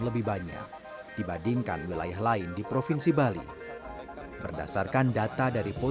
perototidup tiga jilis llamas mempertarungkan melipat orang naraka united